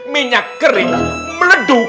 minyak kering meleduk